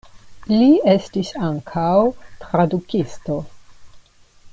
Li estis ankaŭ tradukisto.